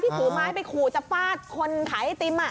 ที่ถูกมาให้ไปขู่จับฟาดคนขายไอติม